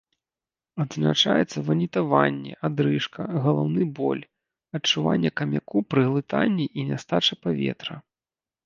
Адзначаецца ванітаванне, адрыжка, галаўны боль, адчуванне камяку пры глытанні і нястача паветра.